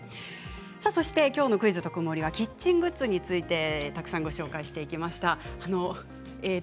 そして、きょうの「クイズとくもり」はキッチングッズについてたくさんご紹介していきました。